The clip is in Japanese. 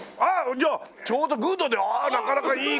じゃあちょうどグッドでなかなかいい。